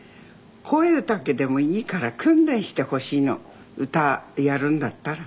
声だけでもいいから訓練してほしいの歌やるんだったら。